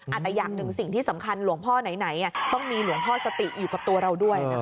อย่างหนึ่งสิ่งที่สำคัญหลวงพ่อไหนต้องมีหลวงพ่อสติอยู่กับตัวเราด้วยนะคะ